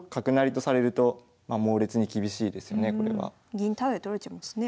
銀タダで取られちゃいますね。